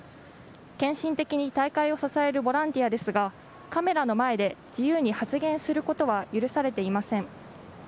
献身的に大会を支えるボランティアですがカメラの前で自由に発言することは許されていません。